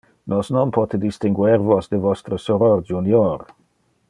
Nos non pote distinguer vos de vostre soror junior.